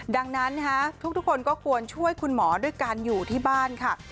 ดังนั้นทุกคนก็ควรช่วยคุณหมอด้วยการอยู่ที่บ้านค่ะ